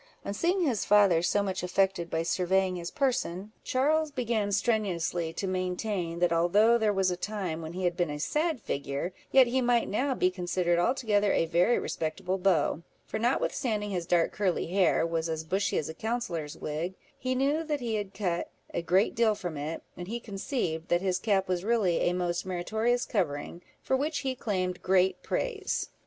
On seeing his father so much affected by surveying his person, Charles began strenuously to maintain, that although there was a time when he had been a sad figure, yet he might now be considered altogether a very respectable beau; for notwithstanding his dark curly hair was as bushy as a counsellor's wig, he knew that he had cut a great deal from it; and he conceived that his cap was really a most meritorious covering, for which he claimed great praise.